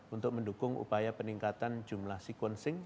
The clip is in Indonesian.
untuk mendukung upaya peningkatan jumlah sequencing